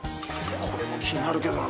これも気になるけどな